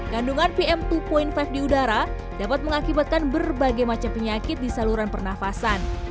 kandungan pm dua lima di udara dapat mengakibatkan berbagai macam penyakit di saluran pernafasan